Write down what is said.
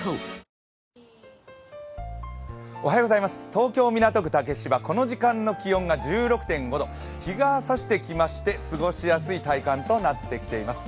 東京・港区竹芝、この時間の気温が１６．５度、日がさしてきまして過ごしやすい体感となっています。